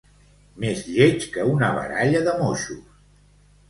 Més lleig que una baralla de moixos.